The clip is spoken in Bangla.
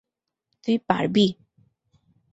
তুই পারবি!